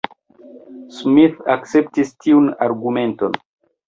Smith akceptis tiun argumenton.